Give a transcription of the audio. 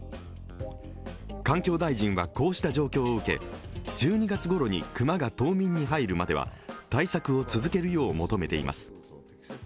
環境大臣はこうした状況を受け、１２月ごろに熊が冬眠に入るまでは、対策を続けるよう求めています。